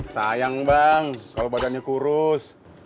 sayang bang kalau badannya kurus